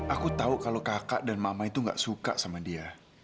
aku tahu kalau kakak dan mama itu gak suka sama dia